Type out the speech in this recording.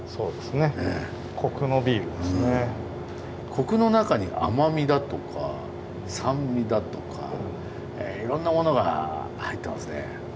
コクの中に甘みだとか酸味だとかいろんなものが入ってますね。